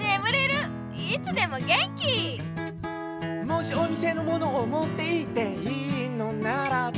「もしお店のものをもっていっていいのなら」